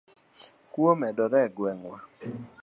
Kuo omedore e gweng' wa